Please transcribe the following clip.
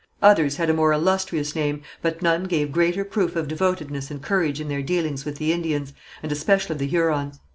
Others had a more illustrious name, but none gave greater proof of devotedness and courage in their dealings with the Indians, and especially the Hurons.